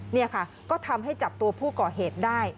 นี่ค่ะก็ทำให้จับตัวผู้ก่อเหตุได้